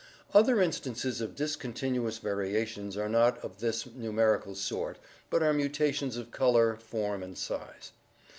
Other instances of discontinuous variations are not of this numerical sort but are mutations of color, form, and size.